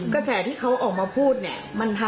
กระแสที่เขาออกมาพูดเนี่ย